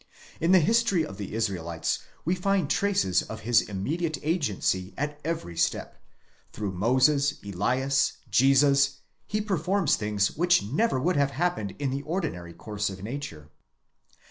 In the history of the Israelites we find traces of his immediate agency at every step: through Moses, Elias, Jesus, he performs things which never would have happened in the ordinary course of nature.